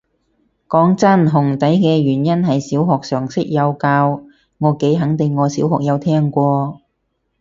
講真，紅底嘅原因係小學常識有教，我幾肯定我小學有聽過